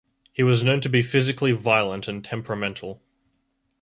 He was known to be physically violent and temperamental.